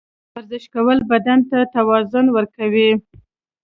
ورزش کول بدن ته توازن ورکوي.